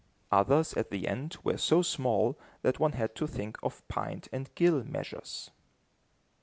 Others, at the end, were so small, that one had to think of pint and gill measures.